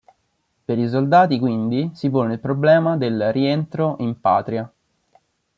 Per i soldati quindi si pone il problema del rientro in patria.